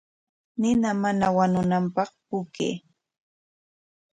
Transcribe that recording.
Nina mana wañunanpaq puukay.